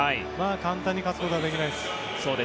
簡単に勝つことはできないです。